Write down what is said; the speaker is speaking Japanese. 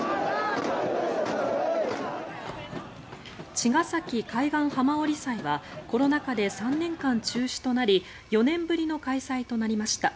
茅ヶ崎海岸浜降祭はコロナ禍で３年間中止となり４年ぶりの開催となりました。